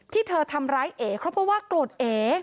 ที่เธอทำร้ายเอ๋เพราะว่ากรวดเอ๋